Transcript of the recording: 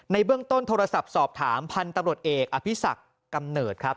เบื้องต้นโทรศัพท์สอบถามพันธุ์ตำรวจเอกอภิษักกำเนิดครับ